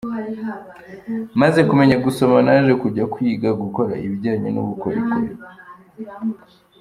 Maze kumenya gusoma naje kujya kwiga gukora ibijyanye n’ubukorikori.